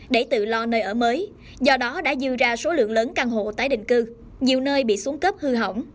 để tự lo nơi ở mới do đó đã dư ra số lượng lớn căn hộ tái định cư nhiều nơi bị xuống cấp hư hỏng